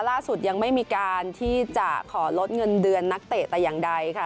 ล่าสุดยังไม่มีการที่จะขอลดเงินเดือนนักเตะแต่อย่างใดค่ะ